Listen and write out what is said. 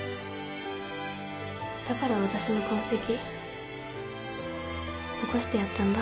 だからわたしの痕跡残してやったんだ。